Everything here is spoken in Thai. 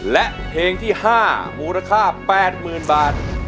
และเพลงที่๕มูลค่า๘๐๐๐บาท